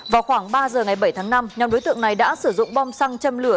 vào khoảng ba giờ ngày bảy tháng năm nhóm đối tượng này đã sử dụng bom xăng châm lửa